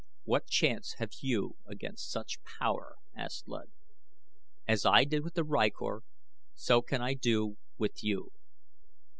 "What chance have you against such power?" asked Luud. "As I did with the rykor so can I do with you."